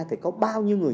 thì có bao nhiêu người